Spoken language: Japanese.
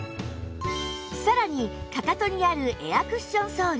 さらにかかとにあるエアクッションソール